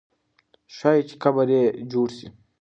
ښایي چې قبر یې جوړ سي.